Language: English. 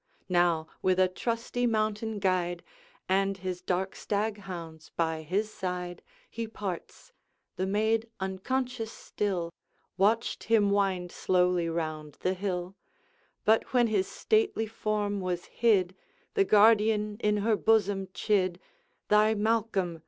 Now with a trusty mountain guide, And his dark stag hounds by his side, He parts, the maid, unconscious still, Watched him wind slowly round the hill; But when his stately form was hid, The guardian in her bosom chid, 'Thy Malcolm!